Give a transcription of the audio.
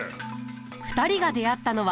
２人が出会ったのは。